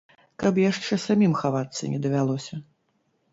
Каб яшчэ самім хавацца не давялося.